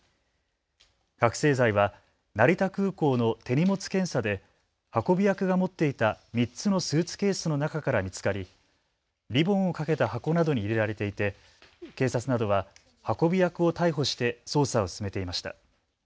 覚醒剤は成田空港の手荷物検査で運び役が持っていた３つのスーツケースの中から見つかりリボンをかけた箱などに入れられていて警察などは運び役を逮捕して捜査を進めていました。